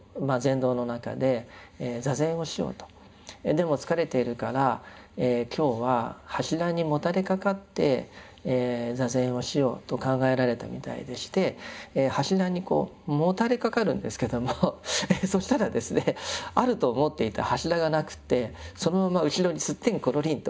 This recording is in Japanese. でも疲れているから今日は柱にもたれかかって坐禅をしようと考えられたみたいでして柱にこうもたれかかるんですけどもそしたらですねあると思っていた柱がなくてそのまま後ろにすってんころりんと